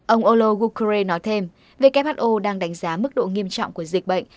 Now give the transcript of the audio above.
ông ologukure nói thêm who đang đánh giá mức độ nghiêm trọng của dịch bệnh